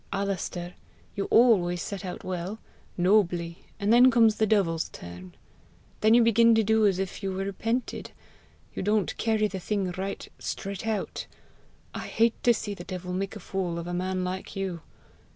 Alister, you always set out well nobly and then comes the devil's turn! Then you begin to do as if you repented! You don't carry the thing right straight out. I hate to see the devil make a fool of a man like you!